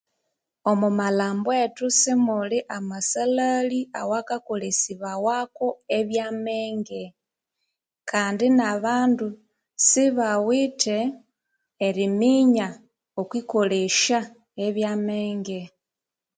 Omo malhambo ethu simuli amasalhali awakakolesibawako ebya amenge kandi nabandu sibawithe eriminya okwi kolesya ebya amenge.